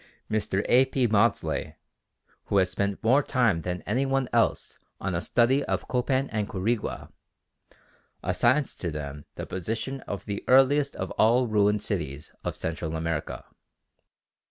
Mr. A. P. Maudslay, who has spent more time than any one else on a study of Copan and Quirigua, assigns to them the position of the earliest of all ruined cities of Central America.